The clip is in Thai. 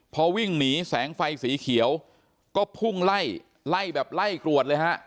พอวิ่งหนีแสงไฟสีเขียวก็พุ่งไล่ไล่แบบไล่กรวดเลยฮะ